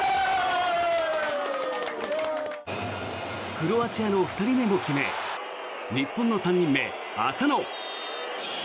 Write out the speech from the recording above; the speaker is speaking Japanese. クロアチアの２人目も決め日本の３人目、浅野。